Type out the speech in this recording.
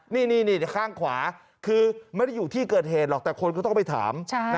นี่ข้างขวาคือไม่ได้อยู่ที่เกิดเหตุหรอกแต่คนก็ต้องไปถาม